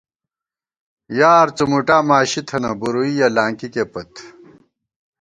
یار څُمُٹا ماشی تھنہ ، بُرُوئیَہ لانکِکے پت